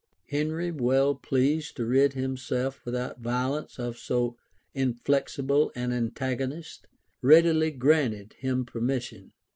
Henry, well pleased to rid himself without violence of so inflexible an antagonist, readily granted him permission.